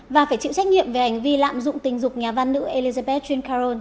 và phải chịu trách nhiệm về hành vi lạm dụng tình dục nhà văn nữ elizabeth jane caron